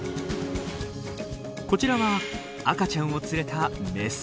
こちらは赤ちゃんを連れたメス。